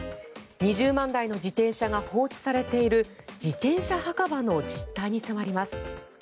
２０万台の自転車が放置されている自転車墓場の実態に迫ります。